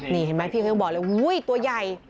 นี่เห็นมั้ยพี่เค้ยบอกเลยอู้วตัวใหญ่